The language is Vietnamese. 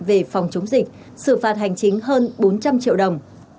về phòng chống dịch xử phạt hành chính hơn bốn trăm linh triệu đồng